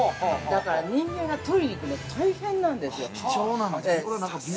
だから、人間が取りに行くの大変なんですよ。